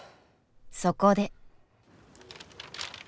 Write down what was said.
そこで。